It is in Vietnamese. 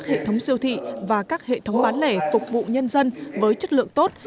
hệ thống siêu thị và các hệ thống bán lẻ phục vụ nhân dân với chất lượng tốt